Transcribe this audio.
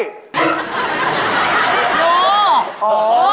โห